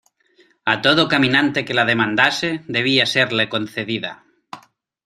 a todo caminante que la demandase debía serle concedida.